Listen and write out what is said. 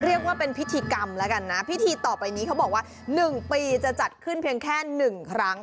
เรียกว่าเป็นพิธีกรรมแล้วกันนะพิธีต่อไปนี้เขาบอกว่า๑ปีจะจัดขึ้นเพียงแค่๑ครั้ง